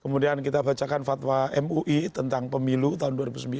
kemudian kita bacakan fatwa mui tentang pemilu tahun dua ribu sembilan